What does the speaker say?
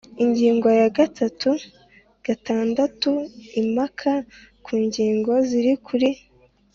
Ingingo ya gatatu gatandatu Impaka ku ngingo ziri kuri